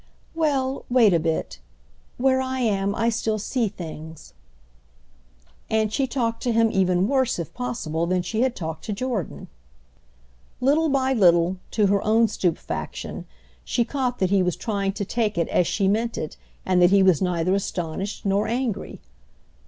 "Well, wait a bit. Where I am I still see things." And she talked to him even worse, if possible, than she had talked to Jordan. Little by little, to her own stupefaction, she caught that he was trying to take it as she meant it and that he was neither astonished nor angry.